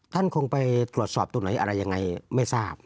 ท่านคงไปตรวจสอบตรงไหนอะไรยังไงไม่ทราบ